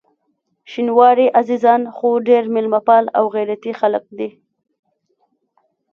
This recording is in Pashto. شینواري عزیزان خو ډېر میلمه پال او غیرتي خلک دي.